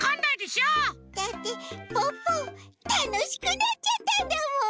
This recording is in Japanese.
だってポッポたのしくなっちゃったんだもん。